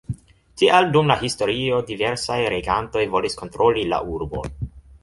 Tial dum la historio diversaj regantoj volis kontroli la urbon.